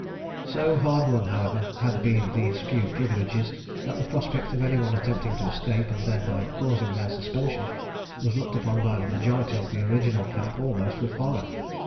So hard won, however, had been these few privileges, that the prospect of any one attempting to escape and thereby causing their suspension was looked upon by the majority of the original camp almost with horror.